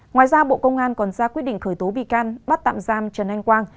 ngoài ra bộ công an còn ra quyết định khởi tố bị can bắt tạm giam trần anh quang